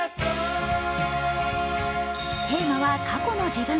テーマは過去の自分。